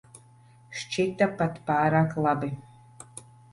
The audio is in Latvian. Šķita pat pārāk labi.